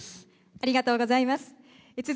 ありがとうございます。